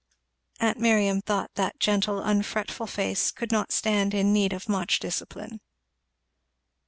Aunt Miriam thought that gentle unfretful face could not stand in need of much discipline.